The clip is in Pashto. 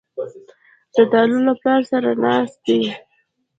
زردالو له پلار سره ناستې ده.